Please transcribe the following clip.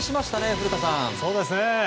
古田さん。